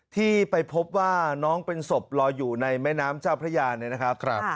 ที่ไปพบว่าน้องเป็นศพลอยอยู่ในแม่น้ำเจ้าพระยาเนี่ยนะครับ